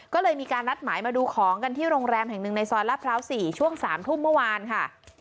ก็เลยมีการนัดหมายมาดูของกันที่โรงแรมแห่งหนึ่งในซอยลาดพร้าว๔ช่วง๓ทุ่มเมื่อวานค่ะ